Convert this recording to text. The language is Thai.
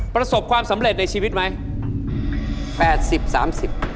ประสบความสำเร็จในชีวิตไหม